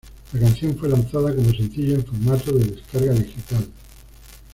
La canción fue lanzada como sencillo en formato de descarga digital.